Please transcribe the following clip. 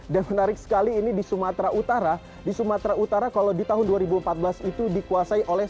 dan menarik sekali ini di sumatera utara di sumatera utara kalau di tahun dua ribu empat belas itu dikuasai oleh